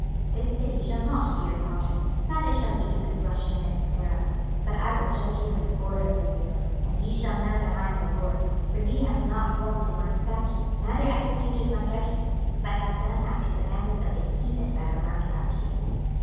26:011:011 This city shall not be your caldron, neither shall ye be the flesh in the midst thereof; but I will judge you in the border of Israel: 26:011:012 And ye shall know that I am the LORD: for ye have not walked in my statutes, neither executed my judgments, but have done after the manners of the heathen that are round about you.